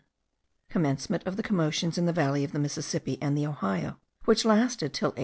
Commencement of the commotions in the valley of the Mississippi and the Ohio, which lasted till 1813.